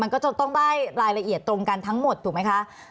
ก็จะต้องได้รายละเอียดตรงกันทั้งหมดถูกไหมคะ